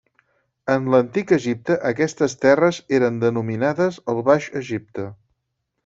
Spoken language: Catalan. En l'Antic Egipte aquestes terres eren denominades el Baix Egipte.